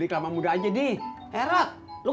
oke sudah seheaded